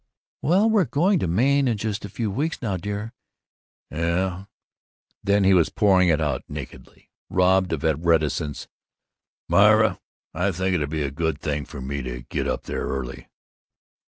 "Well, we're going to Maine in just a few weeks now, dear." "Yuh " Then he was pouring it out nakedly, robbed of reticence. "Myra: I think it'd be a good thing for me to get up there early."